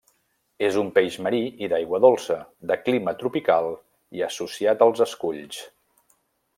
És un peix marí i d'aigua dolça, de clima tropical i associat als esculls.